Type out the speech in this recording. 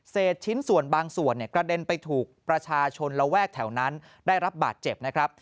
เศษชิ้นส่วนบางส่วนกระเด็นไปถูกประชาชนระแวกแถวนั้นได้รับบาดเจ็บ